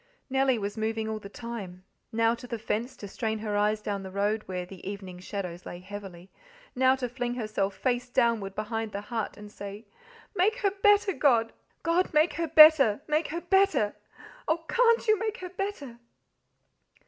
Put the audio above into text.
Nellie was moving all the time now to the fence to strain her eyes down the road, where the evening shadows lay heavily, now to fling herself face downward behind the hut and say, "Make her better, God! God, make her better, make her better! Oh! CAN'T You make her better?"